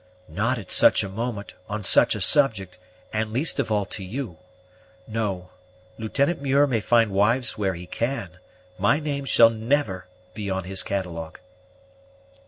"Not at such a moment, on such a subject, and least of all to you. No; Lieutenant Muir may find wives where he can my name shall never be on his catalogue."